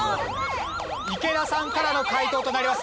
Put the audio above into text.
池田さんからの解答となります。